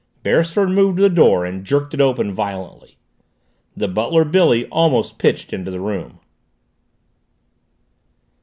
Beresford moved to the door and jerked it violently open. The butler, Billy, almost pitched into the room.